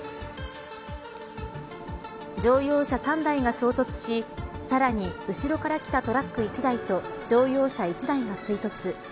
乗用車３台が衝突しさらに後ろからきたトラック１台と乗用車１台が追突。